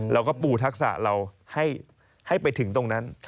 ปูทักษะเราให้ไปถึงตรงนั้น